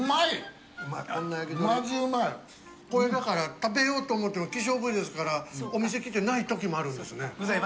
食べようと思っても希少部位ですからお店来てない時もあるんですね。